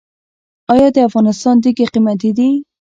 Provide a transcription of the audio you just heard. آیا د افغانستان تیږې قیمتي دي؟